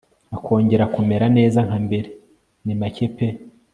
akongera kumera neza nka mbere nimake pe